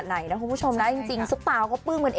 ใช่ชอบชอบมาก